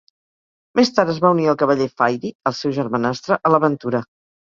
Més tard es va unir al cavaller Faerie, el seu germanastre, a l'aventura.